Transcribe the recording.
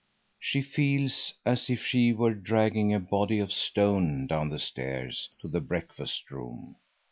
She feels as if she were dragging a body of stone down the stairs to the breakfast room.